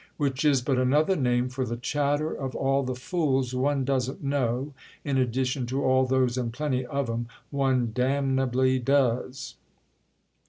—which is but another name for the chatter of all the fools one doesn't know, in addition to all those (and plenty of 'em!) one damnably does."